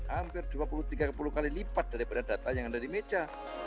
hampir dua puluh tiga puluh kali lipat daripada data yang ada di meja